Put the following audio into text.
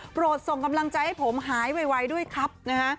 โปรดส่งกำลังใจให้ผมหายไวด้วยครับนะฮะ